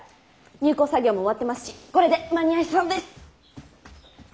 入稿作業も終わってますしこれで間に合いそうです。